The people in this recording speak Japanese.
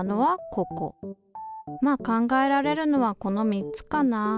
まあ考えられるのはこの３つかな？